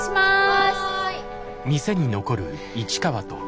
はい。